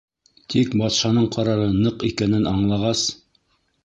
Тик батшаның ҡарары ныҡ икәнен аңлағас: